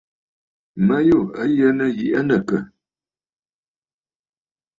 Ma yû a yə nɨ̂ yiʼi aa nɨ̂ àkə̀?